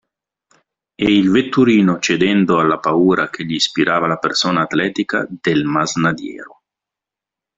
E il vetturino cedendo alla paura che gli ispirava la persona atletica del masnadiero.